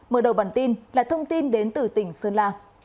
mở đầu bản tin là thông tin đến từ tỉnh sơn la